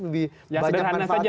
lebih banyak manfaatnya atau mudaratnya